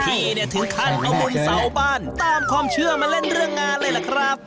ที่เนี่ยถึงขั้นเอาบุญเสาบ้านตามความเชื่อมาเล่นเรื่องงานเลยล่ะครับ